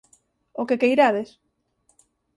O que queirades.